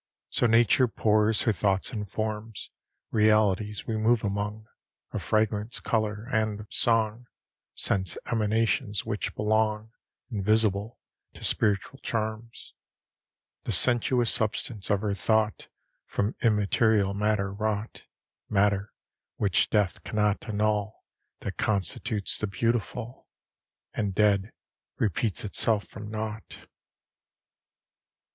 So Nature pours her thoughts in forms Realities we move among Of fragrance, color, and of song; Sense emanations which belong, Invisible, to spiritual charms; The sensuous substance of her thought From immaterial matter wrought Matter, which death can not annul, That constitutes the Beautiful, And, dead, repeats itself from naught.